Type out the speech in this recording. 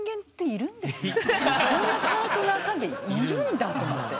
そんなパートナー関係いるんだと思って。